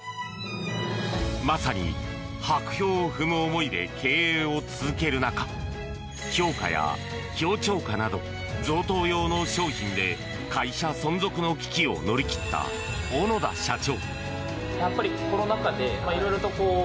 まさに薄氷を踏む思いで経営を続ける中氷華や氷彫華など贈答用の商品で会社存続の危機を乗り切った小野田社長。